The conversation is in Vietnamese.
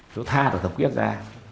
chú tha thằng quyết ra